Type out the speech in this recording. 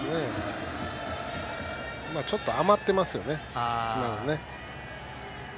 ちょっと余ってますよね。